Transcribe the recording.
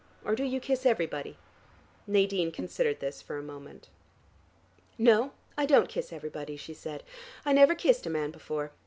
Or do you kiss everybody?" Nadine considered this for a moment. "No, I don't kiss everybody," she said. "I never kissed a man before.